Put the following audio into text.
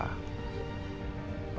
hai mematah matahi papa